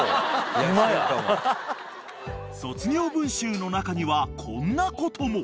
［卒業文集の中にはこんなことも］